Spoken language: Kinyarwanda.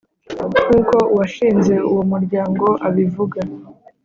Nk'uko uwashinze uwo muryango abivuga